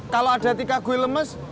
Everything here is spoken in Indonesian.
kalau ada tika gue lemes